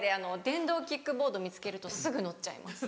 電動キックボード見つけるとすぐ乗っちゃいます。